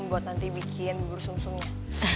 buat nanti bikin bubur sum sumnya